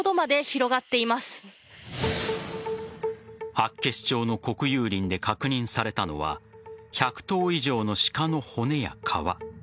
厚岸町の国有林で確認されたのは１００頭以上の鹿の骨や皮。